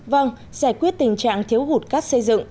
vâng giải quyết tình trạng thiếu hụt cát xây dựng